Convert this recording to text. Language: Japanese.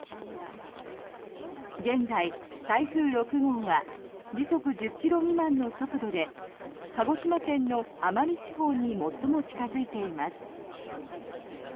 現在、台風６号は時速１０ｋｍ未満の速度で鹿児島県の奄美地方に最も近付いています。